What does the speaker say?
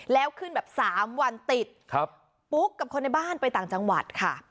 แล้วขึ้นแบบ๓วันติดปุ๊กกับคนในบ้านไปต่างจังหวัดค่ะ